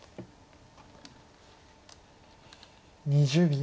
２０秒。